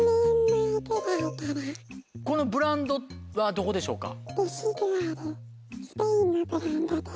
このブランドはどこでしょうか？